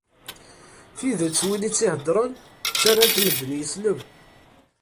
Tidet win i tt-iheddren, ttarran-t medden yesleb.